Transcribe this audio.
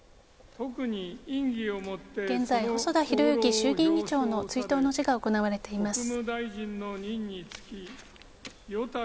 現在、細田博之衆議院議長の追悼の辞が行われています。